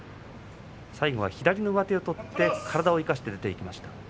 最後は左の上手を取って体を生かして出ていきました。